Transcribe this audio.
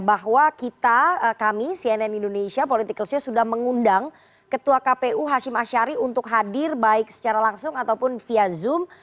bahwa kita kami cnn indonesia political show sudah mengundang ketua kpu hashim ashari untuk hadir baik secara langsung ataupun via zoom